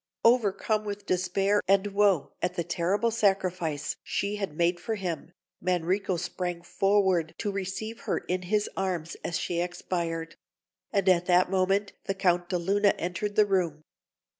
Overcome with despair and woe at the terrible sacrifice she had made for him, Manrico sprang forward to receive her in his arms as she expired; and at that moment the Count de Luna entered the room.